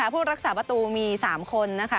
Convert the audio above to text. ผู้รักษาประตูมี๓คนนะคะ